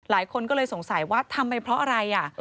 หลายคนก็เลยสงสัยว่าทำไปเพราะอะไร